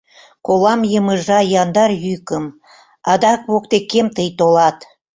Колам йымыжа яндар йӱкым, Адак воктекем тый толат.